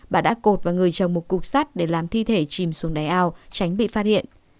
bà đã cột vào người trồng một cục sắt để làm thi thể chìm xuống đáy ao tránh bị phát hiện